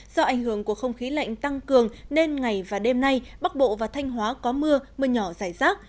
do ảnh hưởng của không khí lạnh tăng cường nên ngày và đêm nay bắc bộ và thanh hóa có mưa mưa nhỏ rải rác